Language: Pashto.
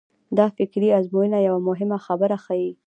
دا فکري ازموینه یوه مهمه خبره ښيي.